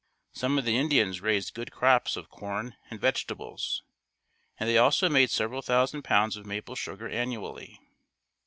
Some of the Indians raised good crops of corn and vegetables and they also made several thousand pounds of maple sugar annually.